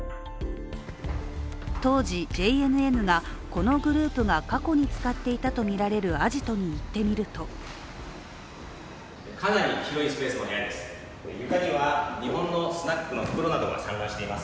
当時、ＪＮＮがこのグループが過去に使っていたとみられるアジトに行ってみるとかなり広いスペースの部屋です。